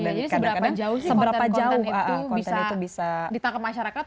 jadi seberapa jauh sih konten konten itu bisa ditangkap masyarakat